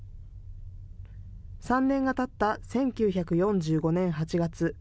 ３年がたった１９４５年８月。